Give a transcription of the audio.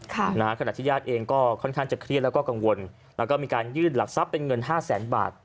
ขณะที่ญาติเองก็ค่อนข้างจะเครียดแล้วก็กังวลแล้วก็มีการยื่นหลักทรัพย์เป็นเงินห้าแสนบาท